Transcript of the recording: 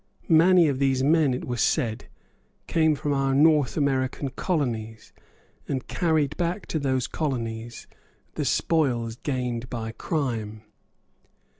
Many of these men, it was said, came from our North American colonies, and carried back to those colonies the spoils gained by crime.